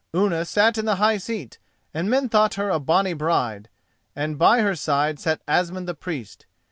Unna sat in the high seat, and men thought her a bonny bride, and by her side sat Asmund the Priest.